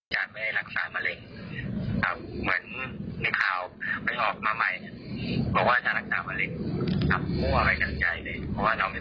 ถ้ามีอาการเนี่ยก็พอจะช่วยได้อะไรแบบนี้